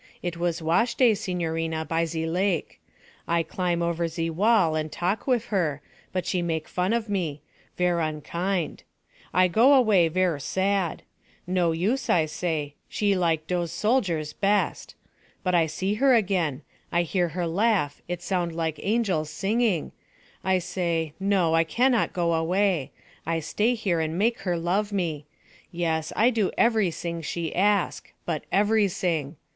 It was wash day, signorina, by ze lac. I climb over ze wall and talk wif her, but she make fun of me ver' unkind. I go away ver' sad. No use, I say, she like dose soldiers best. But I see her again; I hear her laugh it sound like angels singing I say, no, I can not go away; I stay here and make her love me. Yes, I do everysing she ask but everysing!